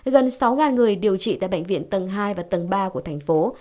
gần sáu người điều trị tại bệnh viện tầng hai và tầng ba của thành phố